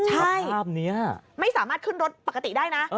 ใช่ไม่สามารถขึ้นรถปกติได้นะ